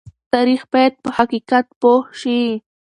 تاریخ باید په حقیقت پوه شي.